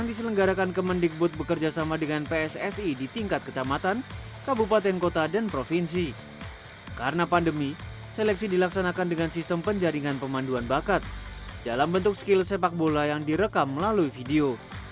dalam bentuk skill sepak bola yang direkam melalui video